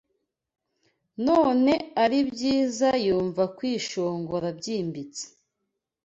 none aribyiza yumva kwishongora byimbitse